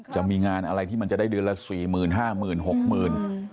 จะมีงานอะไรที่มันจะได้เดือนละ๔หมื่น๕หมื่น๖หมื่น